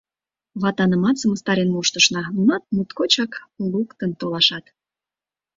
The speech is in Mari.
Ватынамат сымыстарен моштышна, нунат моткочак луктын толашат.